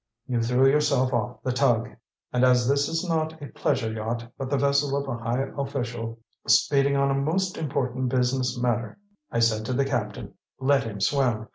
You threw yourself off the tug; and as this as not a pleasure yacht, but the vessel of a high official speeding on a most important business matter, I said to the captain, 'Let him swim!